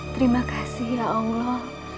terima kasih ya allah